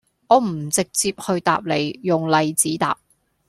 我唔直接去答你,用例子答